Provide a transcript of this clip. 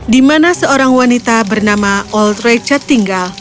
di mana seorang wanita bernama old richard tinggal